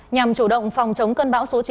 nhằm chủ động phòng chống cơn bão số chín